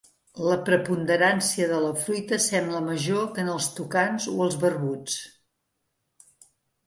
La preponderància de la fruita sembla major que en els tucans o els barbuts.